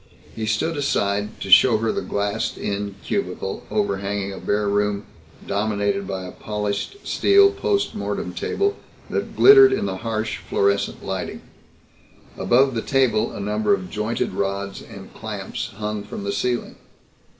He stood aside to show her the glassed in cubicle overhanging a bare room dominated by a polished steel post mortem table that glittered in the harsh fluorescent lighting. Above the table a number of jointed rods and clamps hung from the ceiling.